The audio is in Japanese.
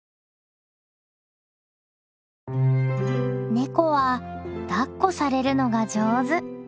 ネコはだっこされるのが上手。